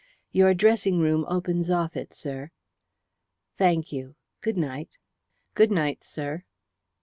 "Your dressing room opens off it, sir." "Thank you. Good night." "Good night, sir."